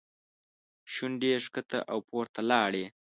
شونډې یې ښکته او پورته لاړې.